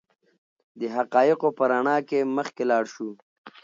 د حقایقو په رڼا کې مخکې لاړ شو.